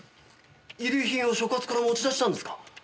遺留品を所轄から持ち出したんですか？